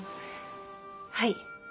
はい。